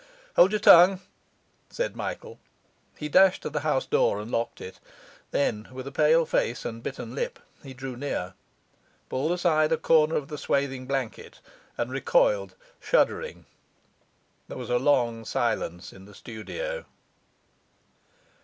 'Hold your tongue!' said Michael. He dashed to the house door and locked it; then, with a pale face and bitten lip, he drew near, pulled aside a corner of the swathing blanket, and recoiled, shuddering. There was a long silence in the studio.